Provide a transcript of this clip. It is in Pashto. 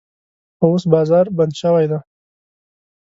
خو اوس بازار بند شوی دی.